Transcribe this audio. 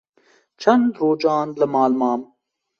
çend rojan li mal mam.